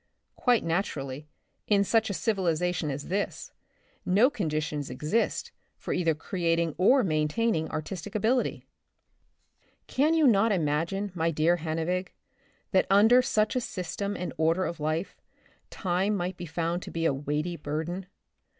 *' Quite naturally, in such a civilization as this, no conditions exist for either creating or main taining artistic ability. Can you not imagine, my dear Hannevig, that under such a system and order of life, time might be found to be a weighty burden?